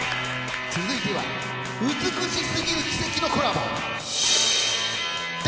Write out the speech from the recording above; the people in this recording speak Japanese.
続いては美しすぎる奇跡のコラボＷ